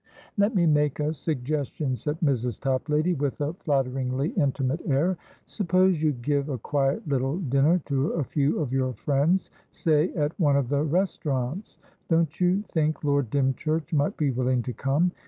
"Let me make a suggestion," said Mrs. Toplady, with a flatteringly intimate air. "Suppose you give a quiet little dinner to a few of your friends, say at one of the restaurants. Don't you think Lord Dymchurch might be willing to come?